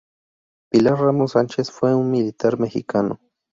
Pilar Ramos Sánchez fue un militar mexicano.